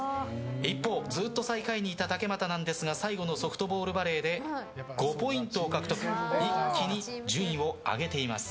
一方ずっと最下位にいた竹俣ですが最後のソフトバレーで５ポイントを獲得一気に順位を上げています。